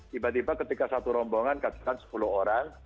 tiba tiba ketika satu rombongan katakan sepuluh orang